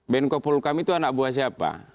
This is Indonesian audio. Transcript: menkumpulkan hukum itu anak buah siapa